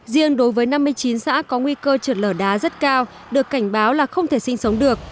riêng đối với năm mươi chín xã có nguy cơ trượt lở đá rất cao được cảnh báo là không thể sinh sống được